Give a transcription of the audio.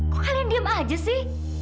kok kalian diem aja sih